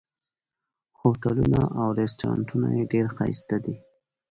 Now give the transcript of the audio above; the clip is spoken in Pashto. هوټلونه او رسټورانټونه یې ډېر ښایسته دي.